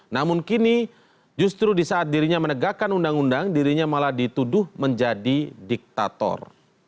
namun kini justru di saat dirinya menegakkan undang undang dirinya malah dituduh menjadi diktator